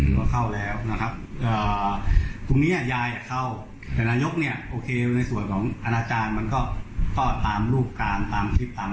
ทำงานที่ผู้ถึงนี้ในวิทยามีรัฐทำการปลอดภัย